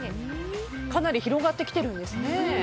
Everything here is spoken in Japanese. かなり広がってきているんですね。